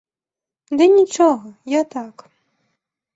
Ды нічога, я так.